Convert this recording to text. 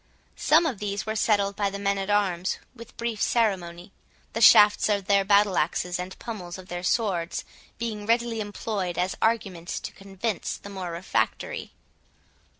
Some of these were settled by the men at arms with brief ceremony; the shafts of their battle axes, and pummels of their swords, being readily employed as arguments to convince the more refractory.